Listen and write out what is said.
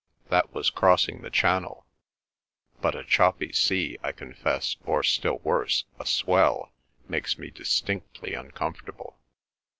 "That was crossing the Channel. But a choppy sea, I confess, or still worse, a swell, makes me distinctly uncomfortable.